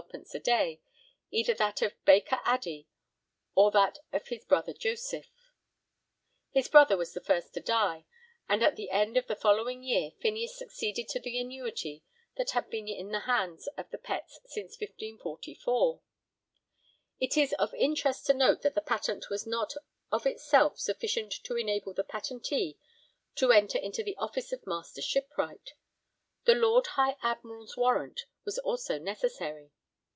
_ a day, either that of Baker Addey or that of his brother Joseph. His brother was the first to die, and at the end of the following year Phineas succeeded to the annuity that had been in the hands of the Petts since 1544. It is of interest to note that the patent was not of itself sufficient to enable the patentee to enter into the office of Master Shipwright; the Lord High Admiral's warrant was also necessary.